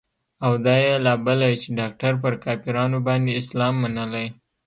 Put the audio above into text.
او دا يې لا بله چې ډاکتر پر کافرانو باندې اسلام منلى.